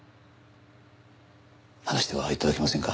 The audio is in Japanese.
話しては頂けませんか？